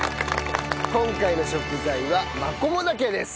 今回の食材はマコモダケです。